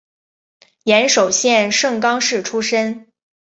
岩手县盛冈市出身。